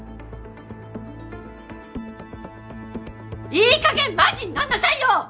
いいかげんマジになんなさいよ！